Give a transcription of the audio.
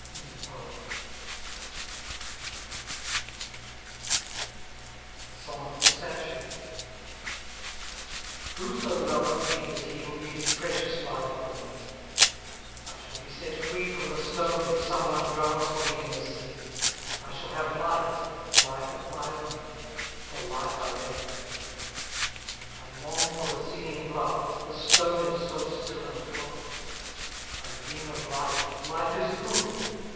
i6 SONG OF THE STATUE Who so loveth me that he Will give his precious Hfe for me? I shall be set free from the stone If some one drowns for me in the sea, I shall have life, life of my own, — For life I ache. I long for the singing blood. The stone is so still and cold. I dream of life, life is good.